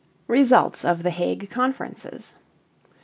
RESULTS OF THE HAGUE CONFERENCES.